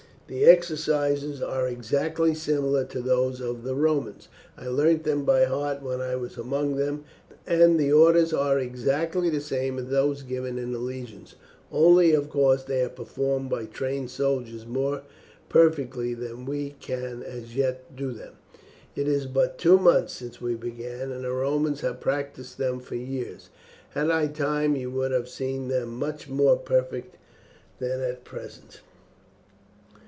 "The exercises are exactly similar to those of the Romans. I learnt them by heart when I was among them, and the orders are exactly the same as those given in the legions only, of course, they are performed by trained soldiers more perfectly than we can as yet do them. It is but two months since we began, and the Romans have practised them for years. Had I time you would have seen them much more perfect than at present."